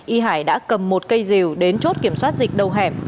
y hải đã cầm một cây rìu đến chốt kiểm soát dịch đầu hẻm